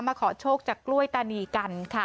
ขอโชคจากกล้วยตานีกันค่ะ